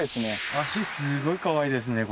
脚すごいかわいいですね。